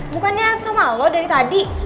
bukannya sama lo dari tadi